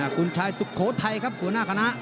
คุณชายสุโขทัยครับหัวหน้าคณะ